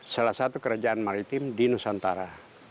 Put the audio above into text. salah satu kerajaan maritim di nusantara